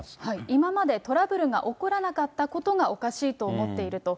今までトラブルが起こらなかったことがおかしいと思っていると。